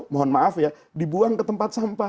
mohon maaf ya dibuang ke tempat sampah